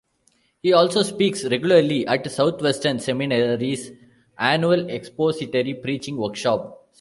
He also speaks regularly at Southwestern Seminary's annual Expository Preaching Workshop.